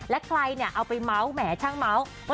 และใครเนี่ยเอาไปม้าวแหมช่างม้าว